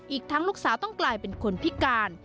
อีกทั้งลูกสาวต้องกลายเป็นคนพิการ